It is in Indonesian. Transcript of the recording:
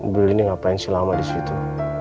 beli nih ngapain si lama disitu